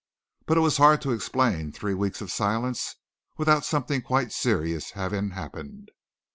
But it was hard to explain three weeks of silence without something quite serious having happened.